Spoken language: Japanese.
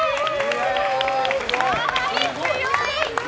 やはり強い！